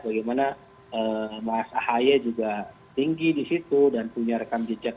bagaimana mas ahaye juga tinggi di situ dan punya rekam jejak